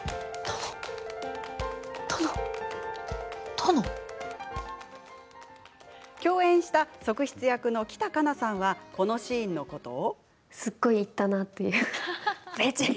殿？共演した側室役の北香那さんはこのシーンのことを。